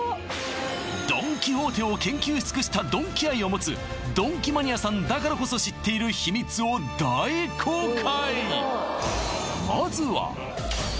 ドン・キホーテを研究し尽くしたドンキ愛を持つドンキマニアさんだからこそ知っている秘密を大公開